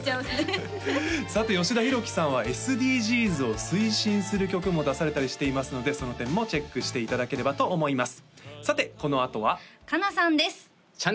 さて吉田ひろきさんはＳＤＧｓを推進する曲も出されたりしていますのでその点もチェックしていただければと思います